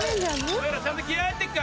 お前らちゃんと気合入ってっか？